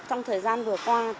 trong thời gian vừa qua